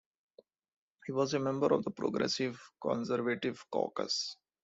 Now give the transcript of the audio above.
He was a member of the Progressive Conservative caucus.